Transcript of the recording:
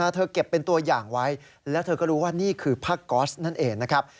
เก็บเป็นตัวอย่างไว้แล้วเธอก็รู้ว่านี่คือผ้าก๊อสนั่นเองนะครับ